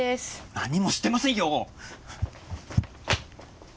何もしてませんよ！